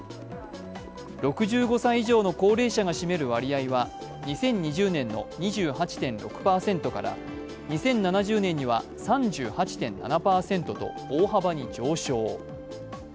６５歳以上の高齢者が占める割合は２０２０年の２８．６％から２０７０年には３８．７％と大幅に上昇。